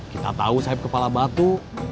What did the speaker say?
kita tahu sayap kepala batu